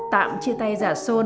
tạm chia tay già sôn